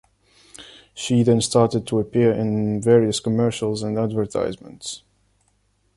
She then started to appear in various commercials and advertisements.